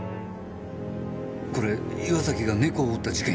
これ岩崎が猫を撃った事件。